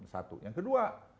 satu yang kedua